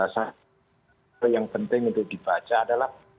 satu hal yang penting untuk dibaca adalah